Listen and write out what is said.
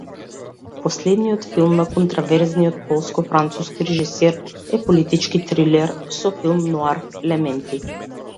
Последниот филм на контроверзниот полско-француски режисер е политички трилер со филм ноар елементи.